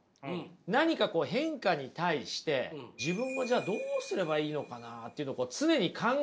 何か変化に対して自分はじゃあどうすればいいのかなっていうのを常に考える。